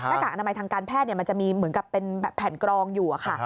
กากอนามัยทางการแพทย์มันจะมีเหมือนกับเป็นแผ่นกรองอยู่ค่ะ